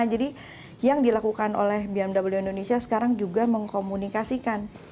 jadi yang dilakukan oleh bmw indonesia sekarang juga mengkomunikasikan